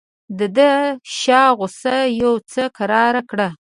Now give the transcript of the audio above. ده د شاه غوسه یو څه کراره کړه.